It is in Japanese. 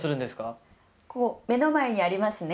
目の前にありますね。